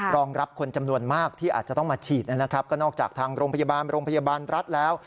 รองรับคนจำนวนมากที่อาจจะต้องมาฉีดก็นอกจากทางโรงพยาบาลรัฐแล้ว